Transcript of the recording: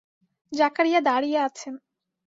জাকারিয়া দাঁড়িয়ে আছেন।